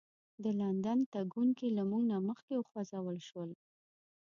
د لندن تګونکي له موږ نه مخکې وخوځول شول.